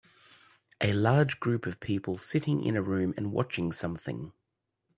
A large group of people sitting in a room and watching something.